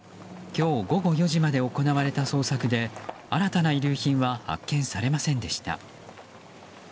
今日午後４時まで行われた捜索で新たな遺留品は発見されませんでした。